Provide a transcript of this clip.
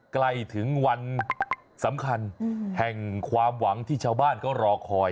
ใกล้ถึงวันสำคัญแห่งความหวังที่ชาวบ้านเขารอคอย